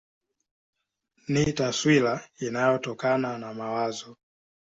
Ni taswira inayotokana na mawazo.